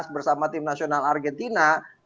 bersama tim nasional argentina